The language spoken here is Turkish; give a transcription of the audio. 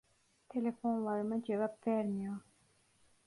Telefonlarıma cevap vermiyor.